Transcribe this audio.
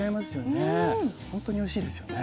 本当においしいですよね。